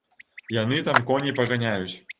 Яны там коней паганяюць.